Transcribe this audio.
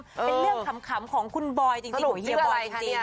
เป็นเรื่องขำของคุณบอยจริงของเฮียบอยจริง